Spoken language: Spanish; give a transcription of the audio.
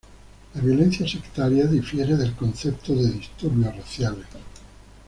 La violencia sectaria difiere del concepto de disturbios raciales.